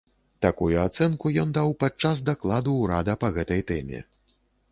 Такую ацэнку ён даў падчас дакладу ўрада па гэтай тэме.